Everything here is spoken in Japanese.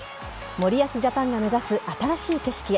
森保ジャパンが目指す新しい景色へ。